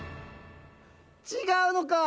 違うのか。